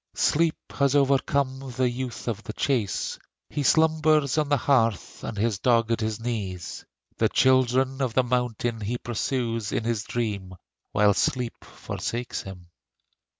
Sleep has overcome the youth of the chase: He slumbers on the heath, and his dog at his knee. The children of the mountain he pursues In his dream, while sleep forsakes him.